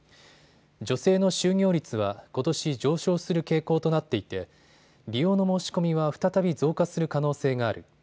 女性の就業率はことし上昇する傾向となっていて利用の申し込みは再び増加する可能性がある。